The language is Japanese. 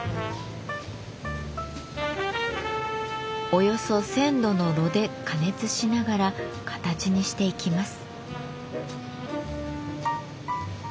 およそ１，０００度の炉で加熱しながら形にしていきます。